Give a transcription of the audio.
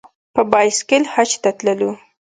په بایسکل حج ته تللو.